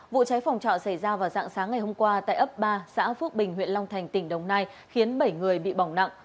vụ cháy phòng trọ xảy ra vào dạng sáng ngày hôm qua tại ấp ba xã phước bình huyện long thành tỉnh đồng nai khiến bảy người bị bỏng nặng